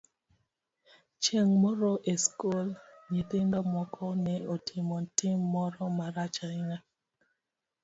Chieng' moro e skul, nyithindo moko ne otimo tim moro marach ahinya.